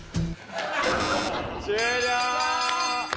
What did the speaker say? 終了！